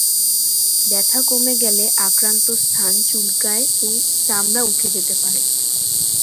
ব্যথা কমে গেলে আক্রান্ত স্থান চুলকায় ও চামড়া উঠে যেতে পারে।